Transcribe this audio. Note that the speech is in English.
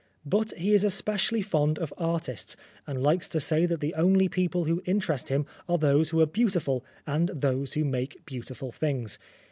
But he is especially fond of artists, and likes to say that the only people who interest him are those who are beautiful and those who make beautiful things.